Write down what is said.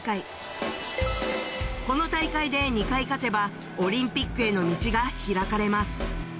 この大会で２回勝てばオリンピックへの道が開かれます